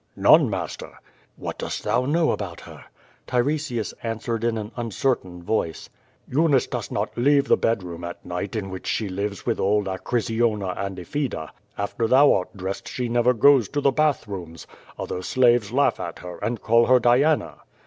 "None, master." "What dost thou know about her?" Tiresias answered in an uncertain voice: "Eunice does not leave the bed room at night in which she lives with old Acrisiona and Ifida. After thou art dressed she never goes to the bath rooms. Other slaves laugh at her, and call her Diana."